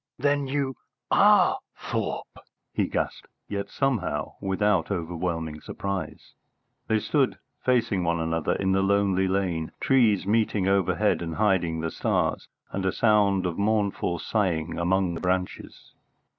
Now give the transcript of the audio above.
"Then you are Thorpe!" he gasped, yet somehow without overwhelming surprise. They stood facing one another in the lonely lane, trees meeting overhead and hiding the stars, and a sound of mournful sighing among the branches.